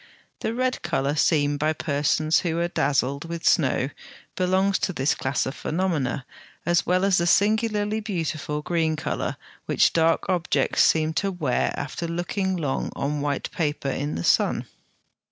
The red colour seen by persons who are dazzled with snow belongs to this class of phenomena, as well as the singularly beautiful green colour which dark objects seem to wear after looking long on white paper in the sun.